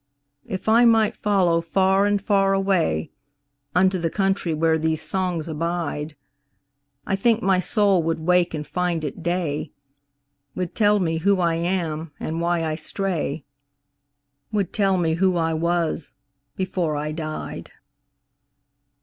If I might follow far and far awayUnto the country where these songs abide,I think my soul would wake and find it day, Would tell me who I am, and why I stray,—Would tell me who I was before I died.